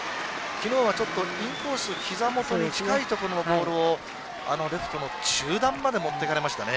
昨日はちょっとインコースひざ元に近いところのボールをレフトの中段まで持っていかれましたね。